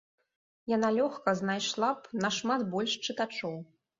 Яна лёгка знайшла б нашмат больш чытачоў.